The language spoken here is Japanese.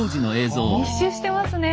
密集してますね。